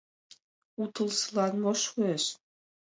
У тылзылан мо шуэш?